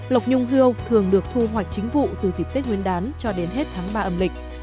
lộc nhung hiêu thường được thu hoạch chính vụ từ dịp tết nguyên đán cho đến hết tháng ba âm lịch